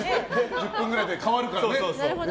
１０分ぐらいで１回変わるからね。